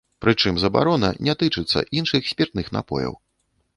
Прычым забарона не тычыцца іншых спіртных напояў.